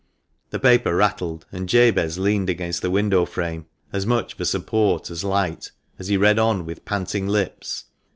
The paper rattled, and Jabez leaned against the window frame, as much for support as light, as he read on with panting lips.